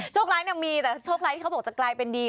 ร้ายเนี่ยมีแต่โชคร้ายที่เขาบอกจะกลายเป็นดี